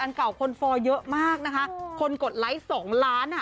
อันเก่าคนฟอเยอะมากนะคะคนกดไลก์๒ล้าน